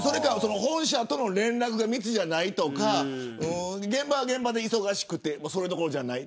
本社との連絡が密じゃないとか現場は現場で忙しくてそれどころじゃない。